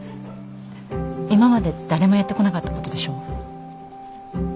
今まで誰もやってこなかったことでしょ。